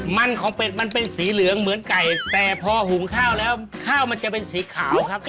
มันของเป็ดมันเป็นสีเหลืองเหมือนไก่แต่พอหุงข้าวแล้วข้าวมันจะเป็นสีขาวครับ